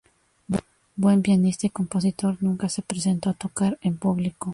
Buen pianista y compositor, nunca se presentó a tocar en público.